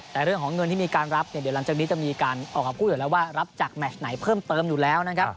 แต่แรกของเงินที่มีการรับหลังจากนี้จะมีการออกความคุมอยู่เรียกว่ารับจากมาชไหนเพิ่มเติมอยู่แล้วนะครับ